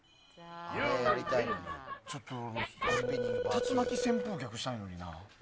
竜巻旋風脚したいのにな。